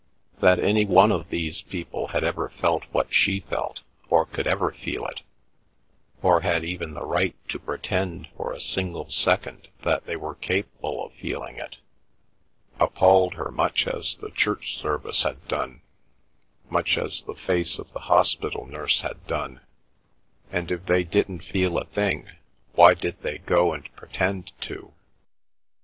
That any one of these people had ever felt what she felt, or could ever feel it, or had even the right to pretend for a single second that they were capable of feeling it, appalled her much as the church service had done, much as the face of the hospital nurse had done; and if they didn't feel a thing why did they go and pretend to?